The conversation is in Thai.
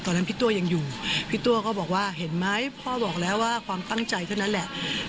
ตอนนั้นพี่ตัวยังอยู่พี่ตัวก็บอกว่าเห็นไหมพ่อบอกแล้วว่าความตั้งใจเท่านั้นแหละ